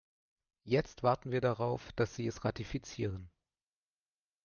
Jetzt warten wir darauf, dass sie es ratifizieren.